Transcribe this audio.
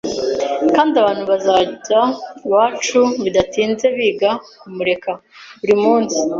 kandi abantu bazaga iwacu bidatinze biga kumureka. Buri munsi